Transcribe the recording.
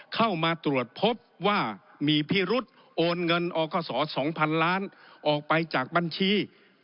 เข้ามาตรวจพบว่ามีพิรุษโอนเงินอคศ๒๐๐๐ล้านออกไปจากบัญชี